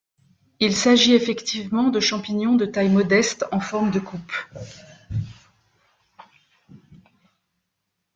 Il s'agit effectivement de champignons de taille modeste en forme de coupe.